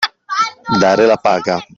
Dare la paga.